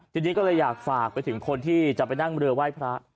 ทีนี้ก็เลยอยากฝากไปถึงคนที่จะไปนั่งเรือไหว้พระ